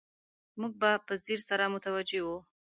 موږ به په ځیر سره متوجه وو.